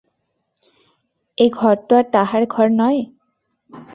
এঘর তো আর তাহার ঘর নয়!